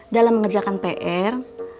dalam mengerjakan pr